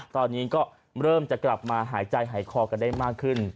ตอนนี้ก็เริ่มจะกลับมาหายใจหายคอกันได้มากขึ้น